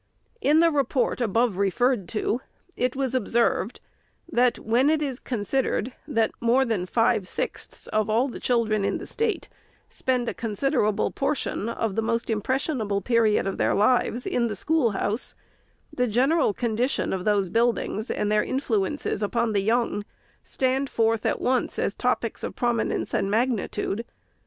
In the Report, above referred to, it was observed, that " when it is considered, that more than five sixths of all the children in the State spend a considerable portion of the most impressible period of their lives in the school house, the general condition of those ouildings and their influences upon the young stand forth, at once, as topics of prominence and magnitude.